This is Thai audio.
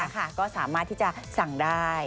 ก็สามารถที่จะสั่งได้